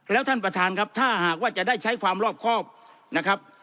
แล้วท่านประธานครับถ้าหากว่าจะได้ใช้ความรอบครอบนะครับ